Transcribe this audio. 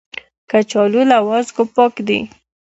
کچالو له وازګو پاک دي